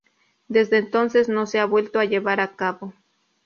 Desde entonces, no se ha vuelto a llevar a cabo.